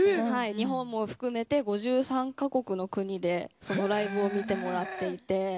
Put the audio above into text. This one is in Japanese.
日本も含めて５３ヵ国の国でライブを見てもらっていて。